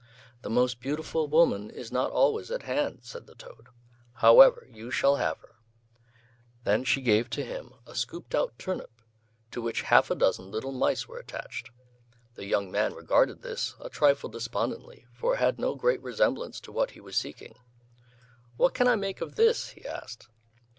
"The most beautiful woman is not always at hand," said the toad, "however, you shall have her." Then she gave to him a scooped out turnip to which half a dozen little mice were attached. The young man regarded this a trifle despondently, for it had no great resemblance to what he was seeking. "What can I make of this?" he asked.